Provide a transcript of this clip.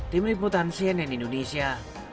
tim liputan cnn indonesia